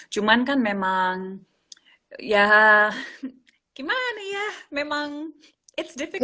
cuman kan memang ya gimana ya memang it's difficult